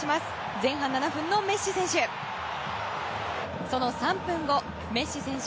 前半７分のメッシ選手。